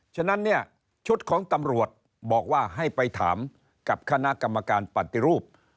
ฉะนั้นเนี่ยชุดของตำรวจบอกว่าให้ไปถามกับคณะกรรมการปฏิรูป